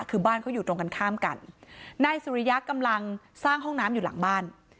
คือบ้านเขาอยู่ตรงกันข้ามกันนายสุริยะกำลังสร้างห้องน้ำอยู่หลังบ้าน